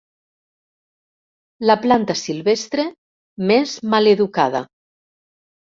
La planta silvestre més maleducada.